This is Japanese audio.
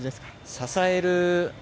支える。